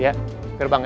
iya gerbang ya